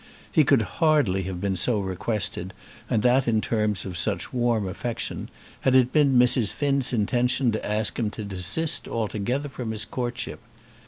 He could hardly have been so requested, and that in terms of such warm affection, had it been Mrs. Finn's intention to ask him to desist altogether from his courtship.